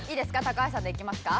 高橋さんでいきますか？